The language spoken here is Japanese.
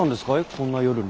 こんな夜に。